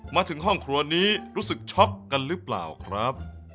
มาถึงห้องครัวนี้รู้สึกช็อกกันหรือเปล่าครับ